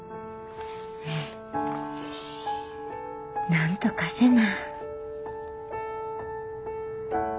なんとかせな。